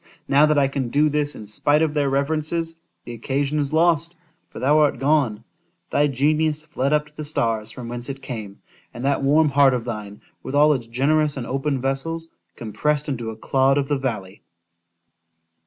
now that I can do this in spite of their reverences—the occasion is lost—for thou art gone;—thy genius fled up to the stars from whence it came;—and that warm heart of thine, with all its generous and open vessels, compressed into a _clod of the valley!